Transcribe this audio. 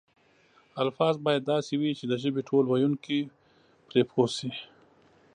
الفاظ باید داسې وي چې د ژبې ټول ویونکي پرې پوه شي.